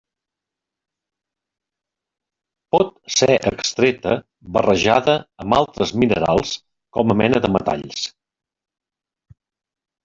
Pot ser extreta barrejada amb altres minerals com a mena de metalls.